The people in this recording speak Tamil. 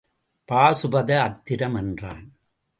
பாசுபத அத்திரம் என்றான்.